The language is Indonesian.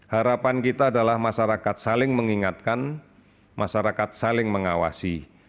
harapan kita adalah masyarakat saling mengingatkan masyarakat saling mengawasi